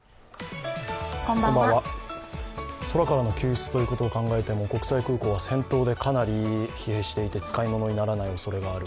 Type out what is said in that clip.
空からの救出を考えても国際空港は戦闘でかなり疲弊していて使い物にならないおそれがある。